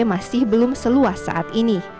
masih belum seluas saat ini